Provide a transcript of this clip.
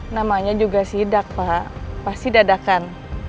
namanya juga sidak pak pasti dadakan